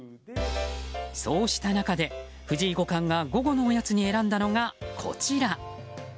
そうした中で藤井五冠が午後のおやつに選んだのがこちら。